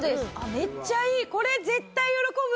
めっちゃいい！